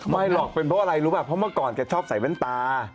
ไม่หรอกเป็นเพราะอะไรรู้ป่ะเพราะเมื่อก่อนแกชอบใส่แว่นตา